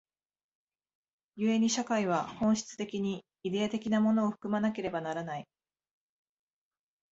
故に社会は本質的にイデヤ的なものを含まなければならない。